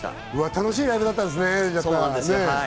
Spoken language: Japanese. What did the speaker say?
楽しいライブだったんですね。